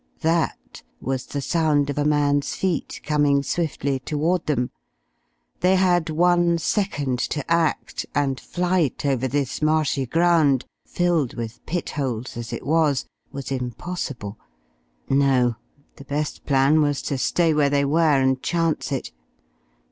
"That" was the sound of a man's feet coming swiftly toward them; they had one second to act, and flight over this marshy ground, filled with pit holes as it was, was impossible. No; the best plan was to stay where they were and chance it.